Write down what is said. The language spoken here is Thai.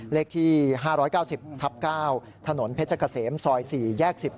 เลขที่๕๙๐ทับ๙ถนนเพชรเกษมซอย๔แยก๑๐